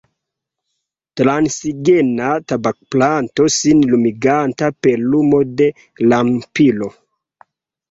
Transgena tabakplanto sin lumiganta per lumo de lampiro.